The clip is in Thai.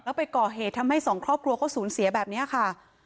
แล้วไปก่อเหตุทำให้สองครอบครัวเขาสูญเสียแบบนี้ค่ะ